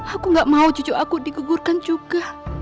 aku gak mau cucu aku digugurkan juga